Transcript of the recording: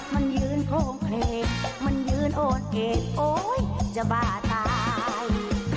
มันยืนโค้งเพลงมันยืนโอนเอกโอ๊ยจะบ้าตาย